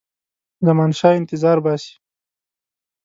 زمانشاه انتظار باسي.